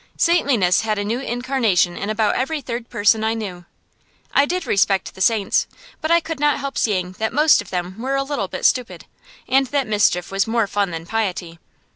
Saintliness had a new incarnation in about every third person I knew. I did respect the saints, but I could not help seeing that most of them were a little bit stupid, and that mischief was much more fun than piety.